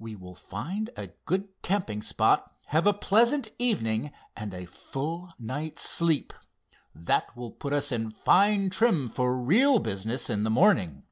We will find a good camping spot, have a pleasant evening, and a full night's sleep. That will put us in fine trim for real business in the morning."